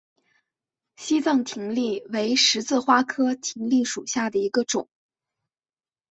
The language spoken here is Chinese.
西藏葶苈为十字花科葶苈属下的一个种。